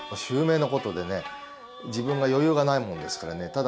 襲名のことでね自分が余裕がないもんですからね。